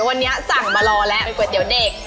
วันนี้สั่งมารอแล้วเป็นก๋วยเตี๋ยวเด็ก